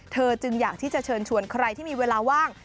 จึงอยากที่จะเชิญชวนใครที่มีเวลาว่าง